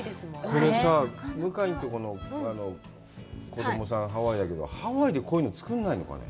これさぁ、向井のところの子供さん、ハワイだけど、ハワイでこういうの作らないのかな。